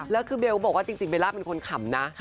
แล้วคือเบลบอกว่าจริงเบลล่าเป็นคนขำนะ